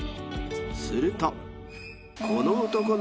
［すると］